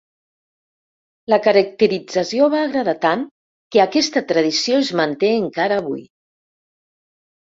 La caracterització va agradar tant que aquesta tradició es manté encara avui.